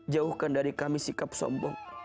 jauhkan dari kami sikap sombong